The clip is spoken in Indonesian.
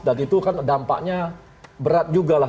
dan itu kan dampaknya berat juga lah